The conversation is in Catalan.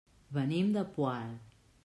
Venim del Poal.